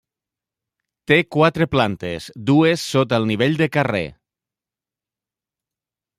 Té quatre plantes, dues sota el nivell de carrer.